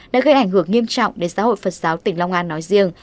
đã gây ảnh hưởng nghiêm trọng đến giáo hội phật giáo tỉnh long an nói riêng